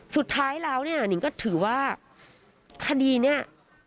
สุดท้ายแล้วเนี่ยนิงก็ถือว่าคดีเนี่ย